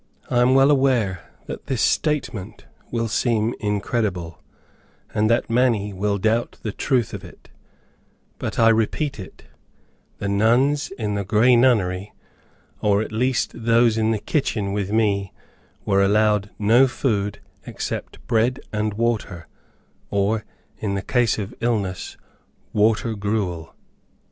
I am well aware that this statement will seem incredible, and that many will doubt the truth of it; but I repeat it: the nuns in the Grey Nunnery, or at least those in the kitchen with me, were allowed no food except bread and water, or, in case of illness, water gruel.